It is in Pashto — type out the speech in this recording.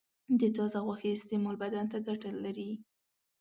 د تازه غوښې استعمال بدن ته زیاته ګټه لري.